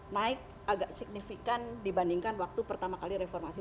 naik agak signifikan dibandingkan waktu pertama kali reformasi sembilan puluh delapan